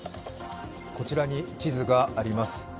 こちらに地図があります。